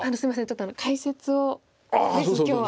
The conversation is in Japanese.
ちょっと解説をぜひ今日は。